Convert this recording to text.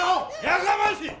やかましい！